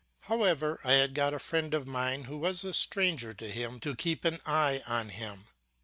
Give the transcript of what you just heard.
However, I had got a friend of mine, who was a stranger to him, to keep an eye on him.